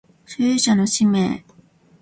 所有者の氏名